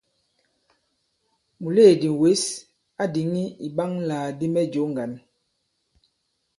Mùleèdì wěs a dìŋì ìɓaŋalàkdi mɛ jǒ ŋgǎn.